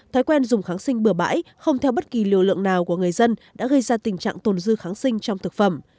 thói quen dùng kháng sinh bừa bãi không theo bất kỳ liều lượng nào của người dân đã gây ra tình trạng tồn dư kháng sinh trong thực phẩm